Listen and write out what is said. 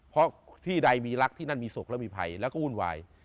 เพราะที่ใดมีรักที่นั่นมีสุขและมีภัยแล้วก็วุ่นวาย